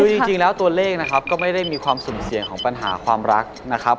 คือจริงแล้วตัวเลขนะครับก็ไม่ได้มีความสุ่มเสี่ยงของปัญหาความรักนะครับ